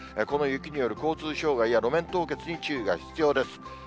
この雪による交通障害や路面凍結に注意が必要です。